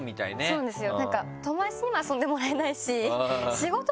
そうなんですよ。